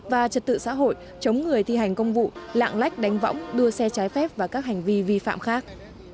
và trật tự xã hội chống người thi hành công vụ lạng lách đánh võng đua xe trái phép và các hành vi vi phạm khác